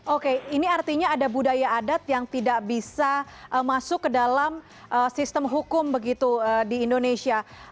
oke ini artinya ada budaya adat yang tidak bisa masuk ke dalam sistem hukum begitu di indonesia